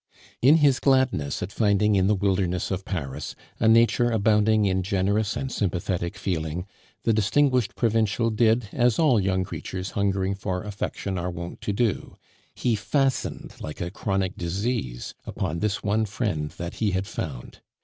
In his gladness at finding in the wilderness of Paris a nature abounding in generous and sympathetic feeling, the distinguished provincial did, as all young creatures hungering for affection are wont to do; he fastened, like a chronic disease, upon this one friend that he had found.